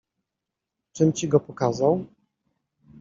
Czym ci go pokazał?